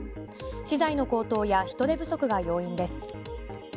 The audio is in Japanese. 資材の高騰や人手不足が要因です。